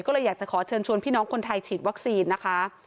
ก็เลยอยากจะขอเชิญชวนพี่น้องคนไทยฉีดวัคซีนนะคะ